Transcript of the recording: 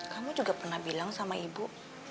kamu juga pernah bilang sama ibu